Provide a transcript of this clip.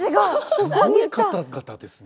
すごい方々ですね